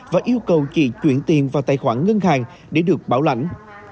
và yêu cầu chị chuyển tiền vào tài khoản ngân hàng để được bảo lãnh